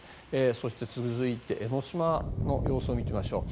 そして、続いて江の島の様子を見てみましょう。